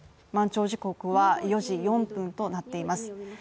満潮時刻は４時４分となっています